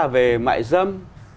ba về mại dâm